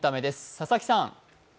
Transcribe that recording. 佐々木さん。